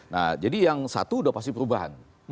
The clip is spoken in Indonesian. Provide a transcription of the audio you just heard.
nah jadi yang satu sudah pasti perubahan